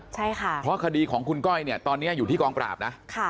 ใช่ค่ะเพราะคดีของคุณก้อยเนี่ยตอนนี้อยู่ที่กองปราบนะ